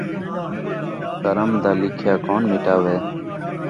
کرم دا لکھیا کون مٹاوے